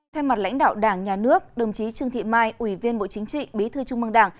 thay mặt lãnh đạo đảng nhà nước đồng chí trương thị mai ủy viên bộ chính trị bí thư trung mương đảng